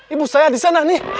ibu saya di sana nih